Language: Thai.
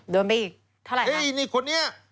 โดนไปอีกเท่าไหร่นี่คนนี้